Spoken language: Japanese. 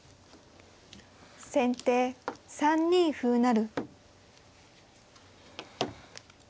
先手３二歩成。